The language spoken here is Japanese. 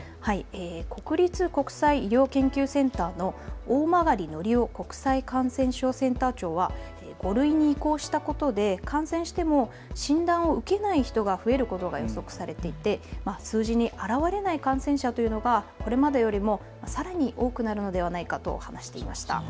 国立国際医療研究センターの大曲貴夫国際感染症センター長は５類に移行したことで感染しても診断を受けない人が増えることが予測されていて数字に表れない感染者というのがこれまでよりもさらに多くなるのではないかと話していました。